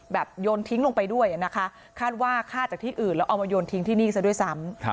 โยนทิ้งลงไปด้วยนะคะคาดว่าฆ่าจากที่อื่นแล้วเอามาโยนทิ้งที่นี่ซะด้วยซ้ำ